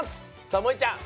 さあもえちゃん